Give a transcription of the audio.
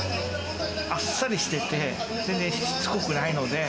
あっさりしてて、全然しつこくないので。